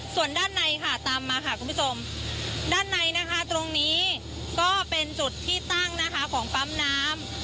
ส่วนด้านในค่ะตามมาค่ะคุณผู้ชมด้านในนะคะตรงนี้ก็เป็นจุดที่ตั้งนะคะของปั๊มน้ำ